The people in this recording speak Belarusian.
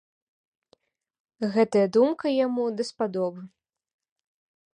Гэтая думка яму даспадобы.